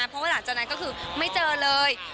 เพราะว่าหลังจากนั้นก็คือไม่เจอเลย